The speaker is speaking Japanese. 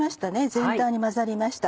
全体に混ざりました。